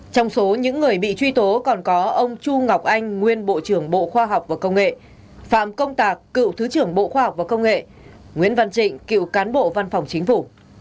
trong số những người bị truy tố còn có ông chu ngọc anh nguyên bộ trưởng bộ khoa học và công nghệ phạm công tạc cựu thứ trưởng bộ khoa học và công nghệ nguyễn văn trịnh cựu cán bộ văn phòng chính phủ